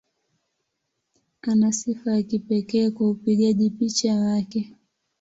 Ana sifa ya kipekee kwa upigaji picha wake.